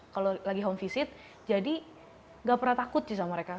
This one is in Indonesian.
kalau lagi home visit jadi gak pernah takut sih sama mereka